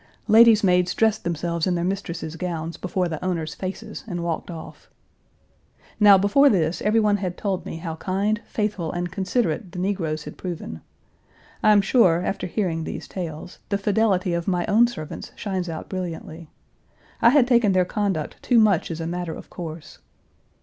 Ladies' maids dressed themselves in their mistresses' gowns before the owners' faces and walked off. Now, before this every one had told me how kind, faithful, and considerate the negroes had proven. I am sure, after hearing these tales, the fidelity of my own servants shines out brilliantly. I had taken their conduct too much as a matter of course.